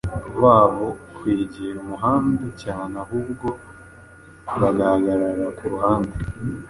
babo kwegera umuhanda cyane ahubwo bagahagarara ku ruhande.